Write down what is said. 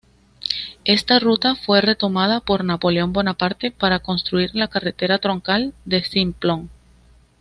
Esta ruta fue retomada por Napoleón Bonaparte para construir la carretera troncal de Simplon.